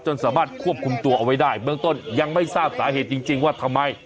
สามารถควบคุมตัวเอาไว้ได้เบื้องต้นยังไม่ทราบสาเหตุจริงว่าทำไม